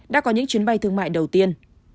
đã có những chuyến bay thương mại đầu tiên